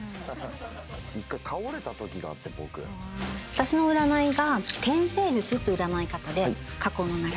私の占いが天星術っていう占い方で過去の流れ